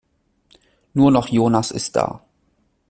Nur noch Jonas ist da.